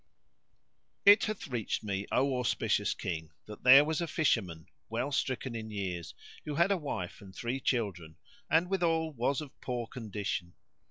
It hath reached me, O auspicious King, that there was a Fisher man well stricken in years who had a wife and three children, and withal was of poor condition.